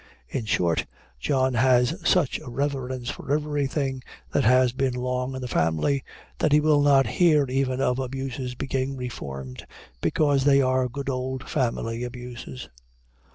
In short, John has such a reverence for everything that has been long in the family, that he will not hear even of abuses being reformed, because they are good old family abuses.